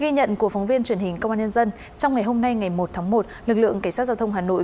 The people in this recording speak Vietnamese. ghi nhận của phóng viên truyền hình công an nhân dân trong ngày hôm nay ngày một tháng một lực lượng cảnh sát giao thông hà nội